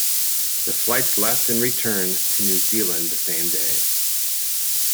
The flights left and returned to New Zealand the same day.